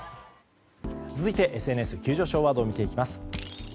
続いてＳＮＳで急上昇ワードを見ていきます。